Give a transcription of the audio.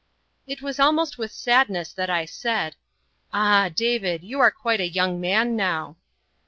It was almost with sadness that I said, "Ah! David, you are quite a young man now."